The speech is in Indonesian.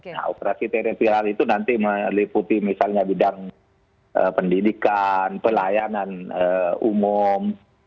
nah operasi teritoral itu nanti meliputi misalnya bidang pendidikan pelayanan umum